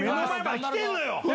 来てるのよ。